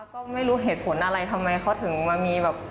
ก็ไม่รู้เหตุผลอะไรทำไมเขาถึงมามีแบบ